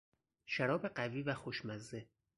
شراب قوی و خوشمزه